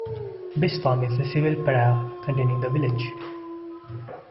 Bispham is the civil parish containing the village.